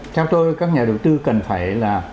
trong tôi các nhà đầu tư cần phải là